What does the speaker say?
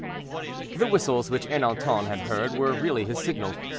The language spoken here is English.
The whistles which Ernanton had heard were really his signal.